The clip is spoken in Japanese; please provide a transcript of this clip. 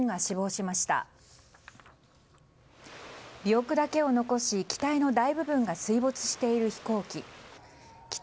尾翼だけを残し、機体の大部分が水没している飛行機。